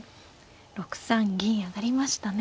６三銀上がりましたね。